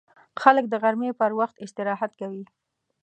خلک د غرمې پر وخت استراحت کوي